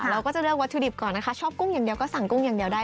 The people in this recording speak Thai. เราก็จะเลือกวัตถุดิบก่อนนะคะชอบกุ้งอย่างเดียวก็สั่งกุ้งอย่างเดียวได้